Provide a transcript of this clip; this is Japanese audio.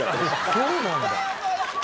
「そうなんだ」